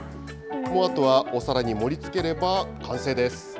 もうあとは、お皿に盛りつければ完成です。